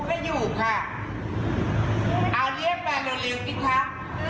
เอาเรียกมาเร็วนะครับ